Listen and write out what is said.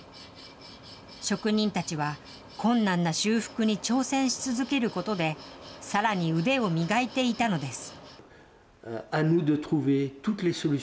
職人たちは困難な修復に挑戦し続けることで、さらに腕を磨いていたのです。